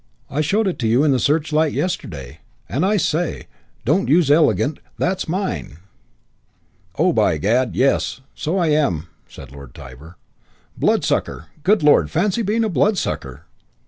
I showed it you in the Searchlight yesterday. And, I say, don't use 'elegant'; that's mine." "Oh, by gad, yes, so I am," said Lord Tybar. "Bloodsucker! Good lord, fancy being a bloodsucker!"